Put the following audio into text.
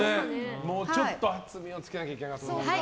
もうちょっと厚みをつけなきゃいけなかったか。